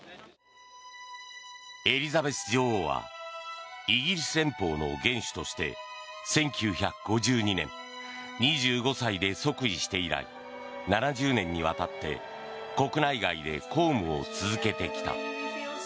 エリザベス女王はイギリス連邦の元首として１９５２年２５歳で即位して以来７０年にわたって国内外で公務を続けてきた。